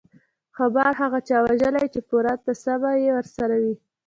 ښامار هغه چا وژلی چې پوره تسمه یې ورسره وي.